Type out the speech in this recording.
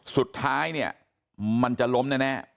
สุดท้ายเนี่ยมันจะล้มแน่